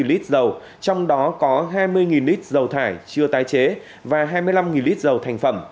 bốn mươi năm lít dầu trong đó có hai mươi lít dầu thải chưa tái chế và hai mươi năm lít dầu thành phẩm